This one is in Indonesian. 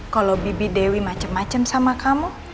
kalau bibi dewi macem macem sama kamu